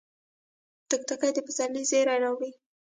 توتکۍ د پسرلي زیری راوړي